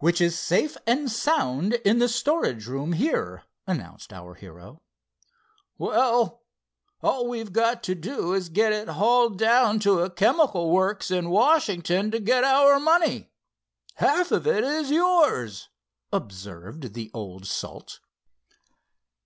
"Which is safe and sound in the storage room here," announced our hero. "Well, all we've got to do is to get it hauled down to a chemical works in Washington to get our money—half of it is yours," observed the old salt.